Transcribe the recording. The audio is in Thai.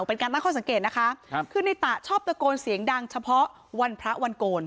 เป็นการตั้งข้อสังเกตนะคะครับคือในตะชอบตะโกนเสียงดังเฉพาะวันพระวันโกน